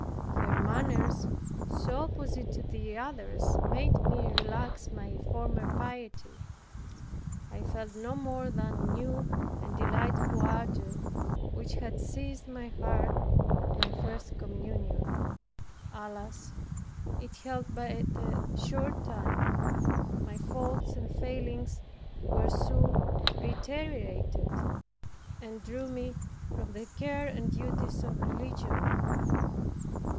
Her manners, so opposite to the other's, made me relax my former piety. I felt no more that new and delightful ardor which had seized my heart at my first communion. Alas! it held but a short time. My faults and failings were soon reiterated and drew me from the care and duties of religion.